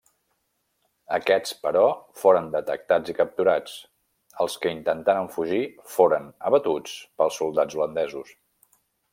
Aquests però, foren detectats i capturats; els que intentaren fugir foren abatuts pels soldats holandesos.